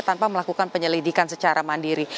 tanpa melakukan penyelidikan secara mandiri